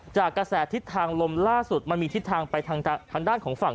จากกระแสทิศทางลมล่าสุดมันมีทิศทางไปทางด้านของฝั่ง